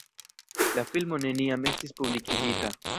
La filmo neniam estis publikigita.